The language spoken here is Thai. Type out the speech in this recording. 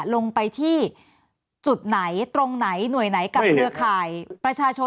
ลงไปที่จุดไหนตรงไหนหน่วยไหนกับเครือข่ายประชาชน